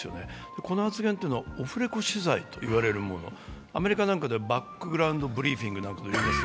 この発言はオフレコ取材といわれるもの、アメリカなどではバックグラウンドグリーフィングといわれています。